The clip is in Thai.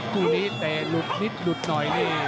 คู่นี้เตะหลุดนิดหลุดหน่อยนี่